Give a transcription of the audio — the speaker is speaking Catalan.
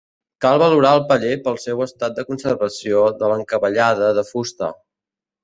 Cal valorar el paller pel seu estat de conservació de l'encavallada de fusta.